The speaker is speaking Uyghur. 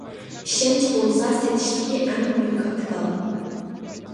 ئىشەنچ بولسا سېتىشتىكى ئەڭ مۇھىم كاپىتال.